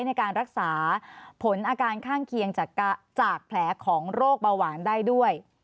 ในการรักษาผลอาการข้างเคียงจากแผลของโรคเบาหวานได้ด้วย